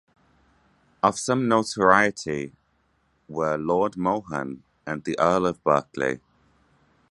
Of some notoriety were Lord Mohun and the Earl of Berkeley.